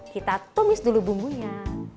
kita tumis dulu bumbunya